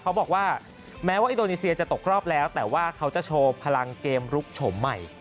เขาบอกว่าแม้ว่าอินโดนีเซียจะตกรอบแล้วแต่ว่าเขาจะโชว์พลังเกมลุกโฉมใหม่